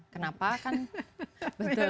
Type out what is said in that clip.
kenapa kan betul